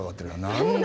何だ？